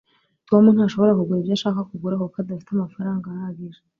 tom ntashobora kugura ibyo ashaka kugura kuko adafite amafaranga ahagije